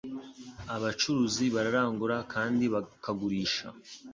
Abacuruzi bararangura kandi bakagurisha.